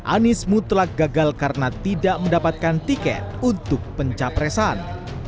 anies mutlak gagal karena tidak mendapatkan tiket untuk pencapresan